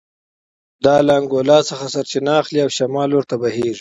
دا له انګولا څخه سرچینه اخلي او شمال لور ته بهېږي